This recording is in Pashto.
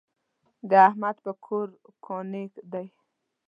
د احمد پر کور کاڼی دی.